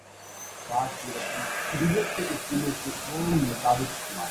ان ق شکن لوگ کے سام حکومت کا قانون بھی بے بس نظر آتا ہے